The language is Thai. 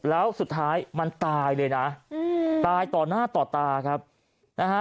แล้วสุดท้ายมันตายเลยนะอืมตายต่อหน้าต่อตาครับนะฮะ